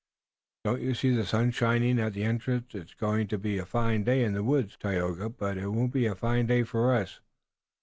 Don't you see the sun shining in at the entrance? It's going to be a fine day in the woods, Tayoga, but it won't be a fine day for us."